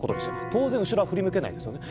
当然後ろは振り向けないですよね。